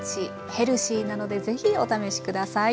ヘルシーなのでぜひお試し下さい。